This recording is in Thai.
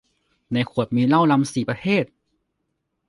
ในขวดมีเหล้ารัมสี่ประเภท